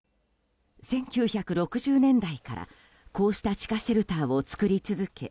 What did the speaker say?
１９６０年代からこうした地下シェルターを作り続け